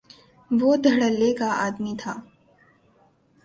وہ دھڑلے کے آدمی تھے۔